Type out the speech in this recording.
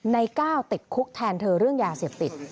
ในก้าวติดคุกแทนเธอเรื่องยาเสพติด